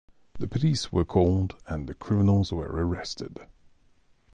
The police were called, and the criminals were arrested.